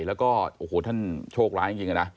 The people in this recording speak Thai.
แล้วก็โอ้โหท่านโชคร้ายจริงนะ